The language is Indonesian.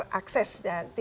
tapi terasakan kan itu